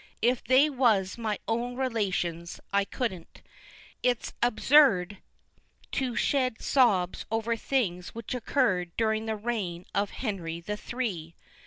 If they was my own relations I couldn't. It's absurd to shed sobs over things which occurd during the rain of Henry the Three.